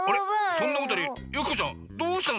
そんなことよりよき子ちゃんどうしたの？